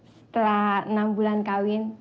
setelah enam bulan kawin